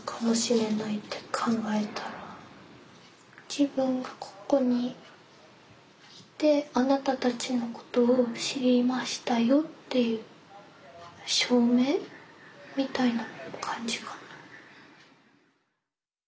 自分がここにいてあなたたちのことを知りましたよっていう証明みたいな感じかな。